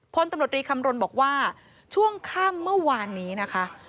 พลตำรวจรีคำรณบอกว่าช่วงค่ำเมื่อวานนี้นะคะ